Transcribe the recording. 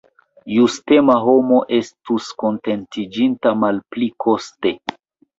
Justema homo estus kontentiĝinta malpli koste.